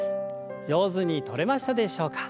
上手にとれましたでしょうか。